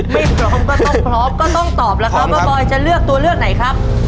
ไม่พร้อมก็ต้องพร้อมก็ต้องตอบแล้วครับว่าบอยจะเลือกตัวเลือกไหนครับ